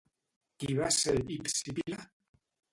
Qui va ser Hipsípile?